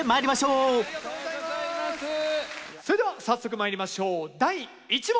それでは早速まいりましょう第１問。